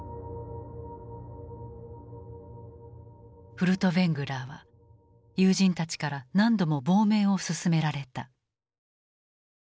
フルトヴェングラーは友人たちから何度も亡命を勧められた。